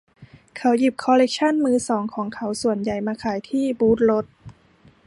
เขาหยิบคอลเล็กชั่นมือสองของเขาส่วนใหญ่มาขายที่บูทรถ